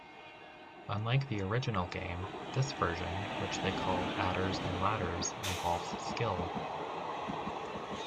Unlike the original game, this version, which they call "Adders-and-Ladders", involves skill.